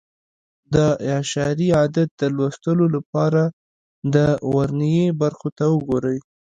د اعشاري عدد د لوستلو لپاره د ورنيې برخو ته وګورئ.